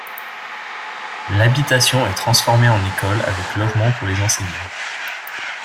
L'habitation est transformée en école avec logement pour les enseignants.